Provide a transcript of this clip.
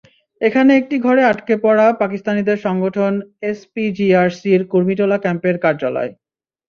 এখানে একটি ঘরে আটকে পড়া পাকিস্তানিদের সংগঠন এসপিজিআরসির কুর্মিটোলা ক্যাম্পের কার্যালয়।